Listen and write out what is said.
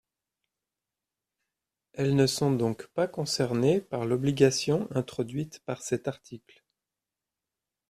Elles ne sont donc pas concernées par l’obligation introduite par cet article.